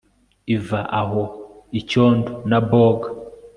iva aho - icyondo na bog